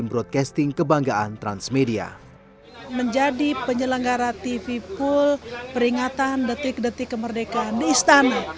menjadi penyelenggara tv pool peringatan detik detik kemerdekaan di istana